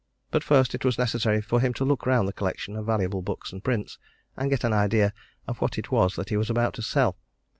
But first it was necessary for him to look round the collection of valuable books and prints, and get an idea of what it was that he was about to sell.